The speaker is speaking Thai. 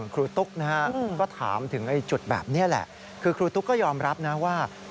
ครูตุ๊กนะฮะก็ถามถึงจุดแบบนี้แหละคือครูตุ๊กก็ยอมรับนะว่า